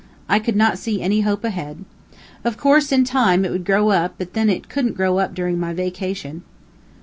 I could not see any hope ahead. Of course, in time, it would grow up, but then it couldn't grow up during my vacation.